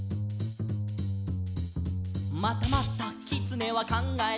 「またまたきつねはかんがえた」